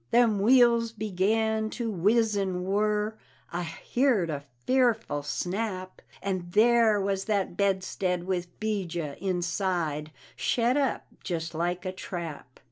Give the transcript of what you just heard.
Them wheels began to whizz and whirr! I heard a fearful snap, And there was that bedstead with 'Bijah inside shet up jest like a trap!